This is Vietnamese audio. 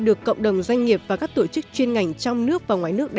được cộng đồng doanh nghiệp và các tổ chức chuyên ngành trong nước và ngoài nước